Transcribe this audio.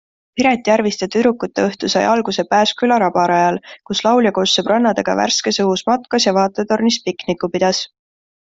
Piret Järvise tüdrukuteõhtu sai alguse Pääsküla rabarajal, kus laulja koos sõbrannadega värskes õhus matkas ja vaatetornis pikniku pidas.